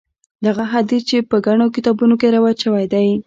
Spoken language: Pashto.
دغه حدیث چې په ګڼو کتابونو کې روایت شوی دی.